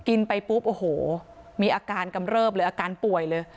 กินไปปุ๊บโอ้โหมีอาการกำเริบเลยอาการป่วยเลย